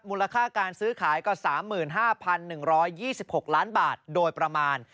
มูลค่าการซื้อขายก็๓๕๑๒๖ล้านบาทโดยประมาณ